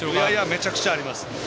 めちゃくちゃあります。